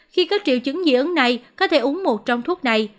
khi có triệu chứng dị ứng này có thể uống một trong thuốc này